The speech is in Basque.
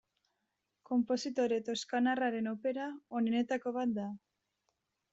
Konpositore toskanarraren opera onenetako bat da.